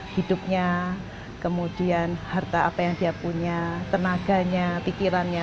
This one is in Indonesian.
hidupnya kemudian harta apa yang dia punya tenaganya pikirannya